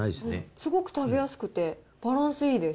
すごく食べやすくて、バランスいいです。